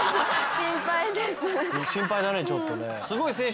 心配だねちょっとね。